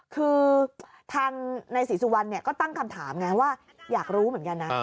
คือทางนายศรีสุวัณธ์เขาก็ตั้งคำถามอยากอยากรู้เหมือนกันนะ